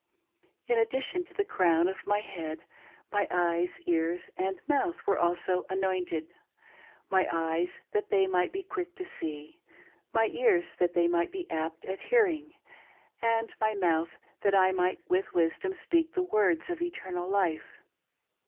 In addition to the crown of my head, my eyes, ears and mouth were also anointed ; my eyes that they might be quick to see, my ears that they might be apt at hearing, and my mouth th^t I might with wisdom speak the words of eternal life.